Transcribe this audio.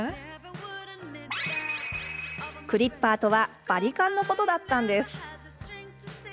クリッパーとはバリカンのことだったんです。